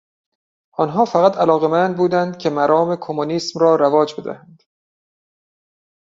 آنها فقط علاقمند بودند که مرام کمونیسم را رواج بدهند.